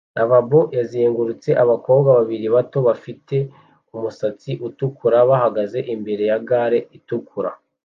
RAVABOs yazengurutse abakobwa babiri bato bafite umusatsi utukura bahagaze imbere ya gare itukura